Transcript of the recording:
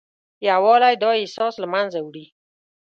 یووالی دا احساس له منځه وړي.